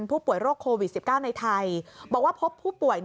ผู้ป่วยโรคโควิด๑๙ในไทยบอกว่าพบผู้ป่วย